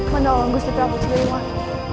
menolong gusti prabu ciliwang